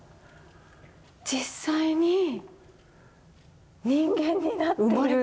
実際に人間になっている。